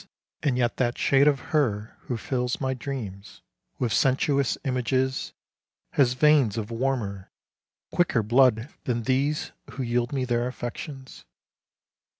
and yet that shade of her Who fills my dreams with sensuous images Has veins of warmer, quicker blood than these Who yield me their affections.